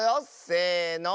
せの。